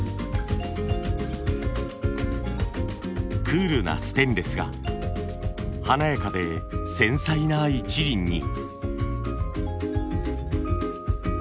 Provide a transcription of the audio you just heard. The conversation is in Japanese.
クールなステンレスが華やかで繊細な一輪に。